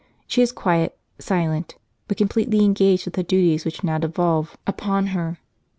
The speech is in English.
She is quiet, silent, but completely engaged with the duties which now devolve upon her.